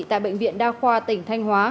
tại bệnh viện đa khoa tỉnh thanh hóa